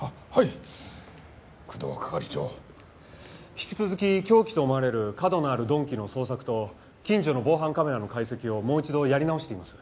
引き続き凶器と思われる角のある鈍器の捜索と近所の防犯カメラの解析をもう一度やり直しています。